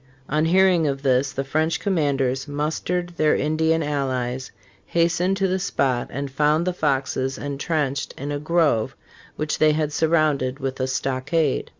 On hearing of this the French commanders mustered their Indian allies, hastened to the spot, and found the Foxes intrenched in a grove which they had surrounded with a stockade."